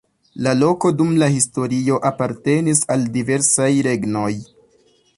La loko dum la historio apartenis al diversaj regnoj.